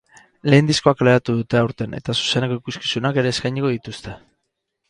Lehen diskoa kaleratu dute aurten eta zuzeneko ikuskizunak ere eskainiko dituzte.